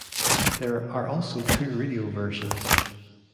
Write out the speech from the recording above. There are also two radio versions.